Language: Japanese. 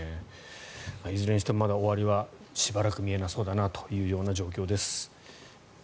いずれにしてもまだ終わりはしばらく見えなそうだなという状況です。